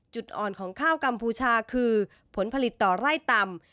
จุดอ่อนของข้าวกัมพูชาคือผลผลิตต่อไร่ต่ำ